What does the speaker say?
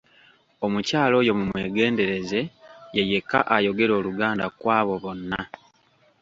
Omukyala oyo mu mwegendereze ye yekka ayogera Oluganda ku abo bonna.